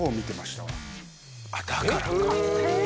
だからか。